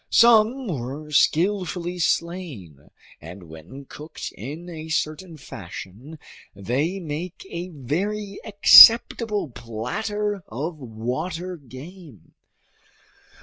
Some were skillfully slain, and when cooked in a certain fashion, they make a very acceptable platter of water game.